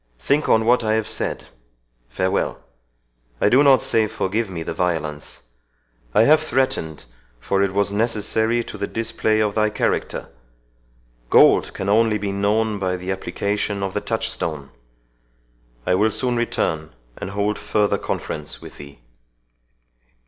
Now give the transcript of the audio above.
Think on what I have said.—Farewell!—I do not say forgive me the violence I have threatened, for it was necessary to the display of thy character. Gold can be only known by the application of the touchstone. I will soon return, and hold further conference with thee."